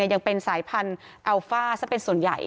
ยังเป็นสายพันธุ์อัลฟ่าซะเป็นส่วนใหญ่